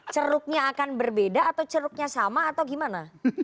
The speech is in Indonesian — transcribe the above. ceruknya akan berbeda atau ceruknya sama atau gimana